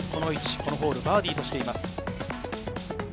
このホール、バーディーとしています。